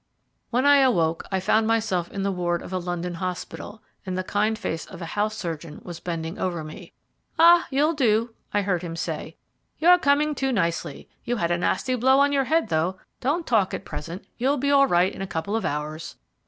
When I awoke I found myself in the ward of a London hospital, and the kind face of a house surgeon was bending over me. "Ah! you'll do," I heard him say: "you are coming to nicely. You had a nasty blow on your head, though. Don't talk just at present; you'll be all right in a couple of hours."